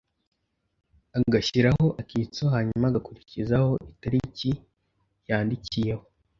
agashyiraho akitso hanyuma agakurikizaho itariki yandikiyeho.